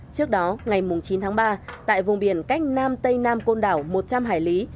trước đó ngày chín tháng ba tại vùng biển cách nam tây nam côn đảo một trăm linh hải lý